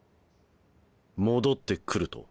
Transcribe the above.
戻って来ると？